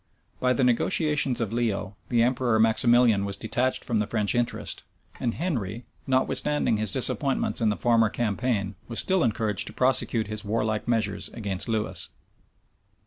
By the negotiations of Leo, the emperor Maximilian was detached from the French interest; and Henry, notwithstanding his disappointments in the former campaign, was still encouraged to prosecute his warlike measures against Lewis.